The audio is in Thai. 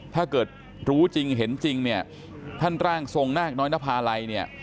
ถ้าเกิดรู้จริงเห็นจริงเนี่ยท่านร่างทรงนาคน้อยนภาลัยเนี่ย